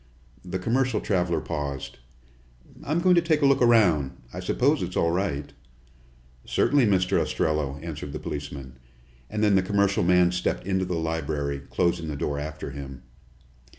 The commercial traveler paused. "I'm going to take a look around. I suppose it's all right." "Certainly, Mr. Ostrello," answered the policeman, and then the commercial man stepped into the library, closing the door after him.